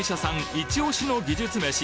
イチ押しの技術めし